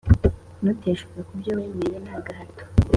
Ntuteshuke kubyo wemeye ntagahato